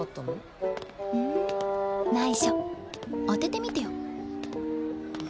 当ててみてよ。